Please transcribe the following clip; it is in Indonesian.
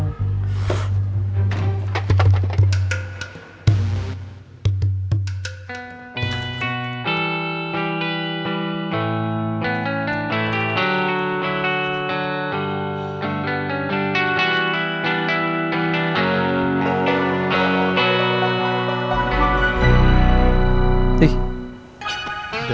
ketemu lagi di video selanjutnya